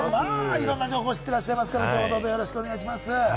いろんな情報を知っていらっしゃいますから、よろしくお願いします。